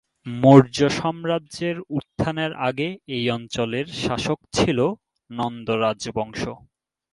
মৌর্য সাম্রাজ্যের উত্থানের আগে এই অঞ্চলের শাসক ছিল নন্দ রাজবংশ।